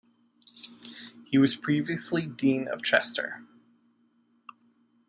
He was previously Dean of Chester.